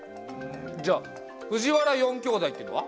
じゃあ藤原四兄弟っていうのは？